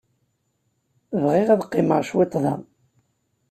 Bɣiɣ ad qqimeɣ cwiṭ da.